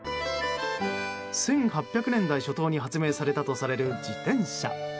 １８００年代初頭に発明されたとされる自転車。